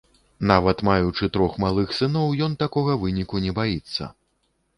Нават маючы трох малых сыноў, ён такога выніку не баіцца.